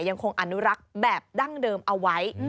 ยังคงอนุรักษ์แบบดั้งเดิมเอาไว้